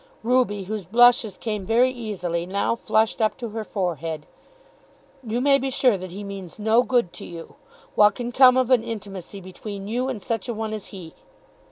Ruby, whose blushes came very easily, now flushed up to her forehead. "You may be sure that he means no good to you. What can come of an intimacy between you and such a one as he?"